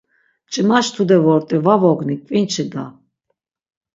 Mç̆imaş tude vort̆i va vogni k̆vinçi da.